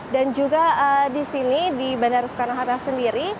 dan juga di sini di bandar rukun nahara sendiri